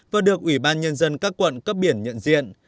và được ủy ban nhân dân các quận cấp biển nhận diện